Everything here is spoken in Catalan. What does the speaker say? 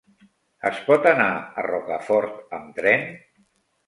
Es pot anar a Rocafort amb tren?